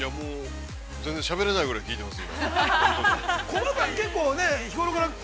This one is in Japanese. ◆全然しゃべれないぐらい効いてます。